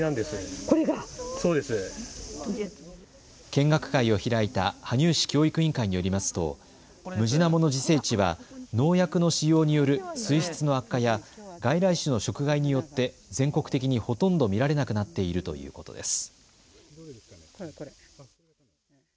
見学会を開いた羽生市教育委員会によりますとムジナモの自生地は農薬の使用による水質の悪化や外来種の食害によって全国的にほとんど見られなくなっているということです。